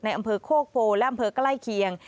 อำเภอโคกโพและอำเภอใกล้เคียง